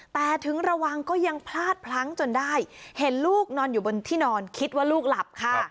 แต่ถึงระวังก็ยังพลาดพลั้งจนได้เห็นลูกนอนอยู่บนที่นอนคิดว่าลูกหลับค่ะ